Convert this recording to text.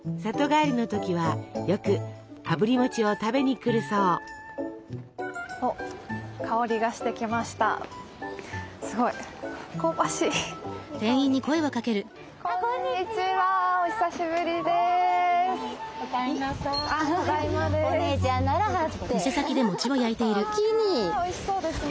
わあおいしそうですね。